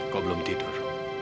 kok belum tidur